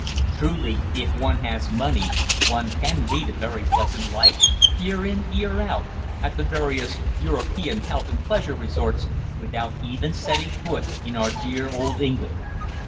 Truly, if one has money, one can lead a very pleasant life, year in, year out, at the various European health and pleasure resorts, without even setting foot in our dear old England.